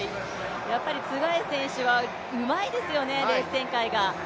ツェガイ選手はうまいですよね、レース展開が。